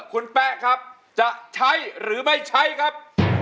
คุณแป๊ะครับจะใช้หรือไม่ใช้ครับ